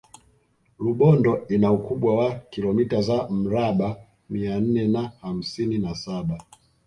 rubondo ina ukubwa wa kilomita za mraba mia nne na hamsini na saba